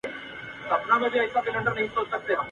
چي افغانان په خپل هیواد کي ..